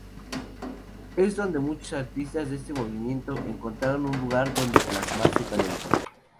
Es donde muchos artistas de este movimiento encontraron un lugar donde plasmar su talento.